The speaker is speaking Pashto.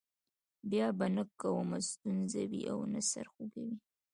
بیا به نه کومه ستونزه وي او نه سر خوږی.